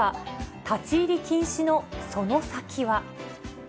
立ち入り禁止のその先は。